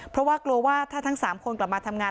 เพราะว่ากลัวว่าถ้าทั้ง๓คนกลับมาทำงาน